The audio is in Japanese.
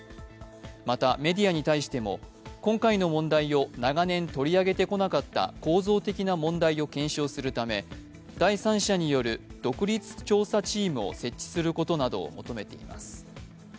また、メディアに対しても今回の問題を長年取り上げてこなかった構造的な問題を検証するため、第三者による独立調査チームを設置することなどを求めています。